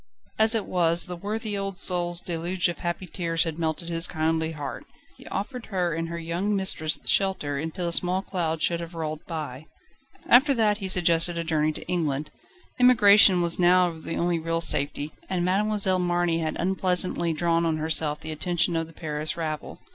As it was, the worthy old soul's deluge of happy tears had melted his kindly heart. He offered her and her young mistress shelter, until the small cloud should have rolled by. After that he suggested a journey to England. Emigration now was the only real safety, and Mademoiselle Marny had unpleasantly drawn on herself the attention of the Paris rabble.